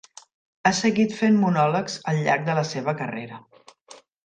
Ha seguit fent monòlegs al llarg de la seva carrera.